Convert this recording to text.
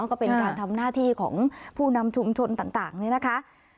ก็เป็นการทำหน้าที่ของผู้นำชุมชนต่างนี่นะคะ